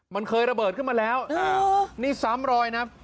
มันเคยระเบิดขึ้นมาแล้วนี่ซ้ำรอยนะ